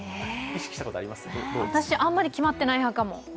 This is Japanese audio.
え、私、あんまり決まってない派かも。